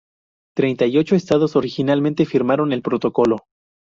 Treinta y ocho estados originalmente firmaron el Protocolo.